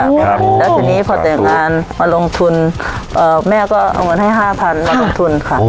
ครับแล้วทีนี้พอแต่งงานมาลงทุนเอ่อแม่ก็เอาเงินให้ห้าพันมาลงทุนค่ะ